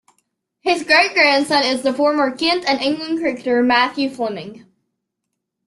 His great-grandson is the former Kent and England cricketer Matthew Fleming.